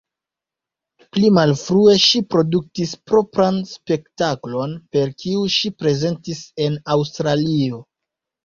Pli malfrue ŝi produktis propran spektaklon, per kiu ŝi prezentis en Aŭstralio.